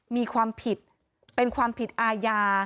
มีความผิดเป็นความผิดอาญา